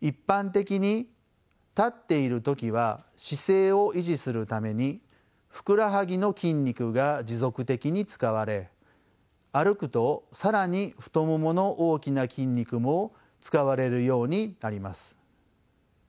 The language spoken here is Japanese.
一般的に立っている時は姿勢を維持するためにふくらはぎの筋肉が持続的に使われ歩くと更に太ももの大きな筋肉も使われるようになります。